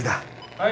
はい！